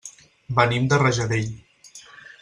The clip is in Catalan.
Venim de Rajadell.